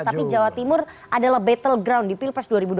tapi jawa timur adalah battle ground di pilpres dua ribu dua puluh